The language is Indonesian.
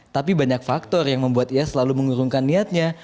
tapi banyak faktor yang membuat ia selalu mengurungkan niatnya